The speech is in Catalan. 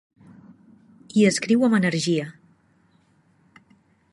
Hi escriu amb energia.